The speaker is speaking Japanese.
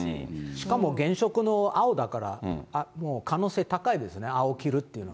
しかも原色の青だから、もう可能性高いですね、青着るっていうのは。